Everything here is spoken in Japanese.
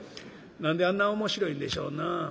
何であんな面白いんでしょうな。